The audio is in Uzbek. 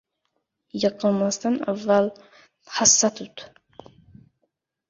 • Yiqilmasdan avval hassa tut.